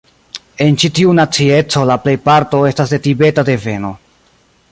En ĉi tiu nacieco la plejparto estas de Tibeta deveno.